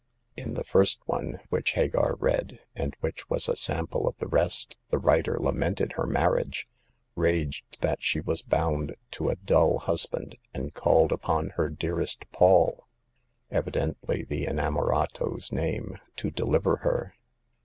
In the first one, which Hagar read— and which was a sample of the rest — the writer lamented her marriage, raged that she was bound to a dull husband, and called upon her dearest Paul — evidently the inamorato's name — to deliver her.